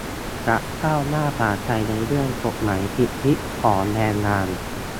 จะก้าวหน้ากว่าไทยในเรื่องกฎหมายสิทธิของแรงงาน